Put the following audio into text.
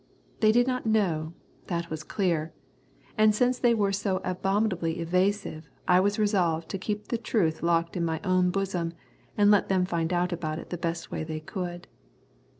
They did not know, that was clear, and since they were so abominably evasive I was resolved to keep the truth locked in my own bosom and let them find out about it the best way they could.